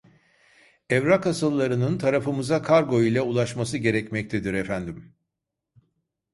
Evrak asıllarının tarafımıza kargo ile ulaşması gerekmektedir efendim